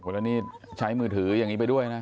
แล้วนี่ใช้มือถืออย่างนี้ไปด้วยนะ